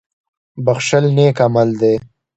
• بښل نېک عمل دی.